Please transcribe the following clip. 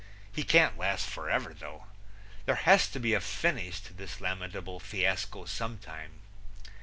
He can't last forever though. There has to be a finish to this lamentable fiasco sometime.